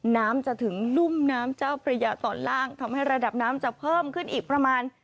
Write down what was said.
น้ำจะถึงรุ่มน้ำเจ้าพระยาตอนล่างทำให้ระดับน้ำจะเพิ่มขึ้นอีกประมาณ